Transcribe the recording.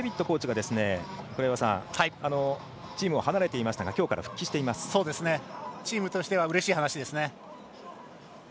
コーチがチームを離れていましたがチームとしてはうれしい話ですね。